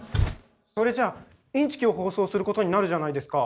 それじゃあインチキを放送することになるじゃないですか！